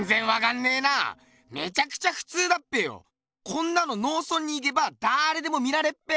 こんなの農村に行けばだれでも見られっぺ！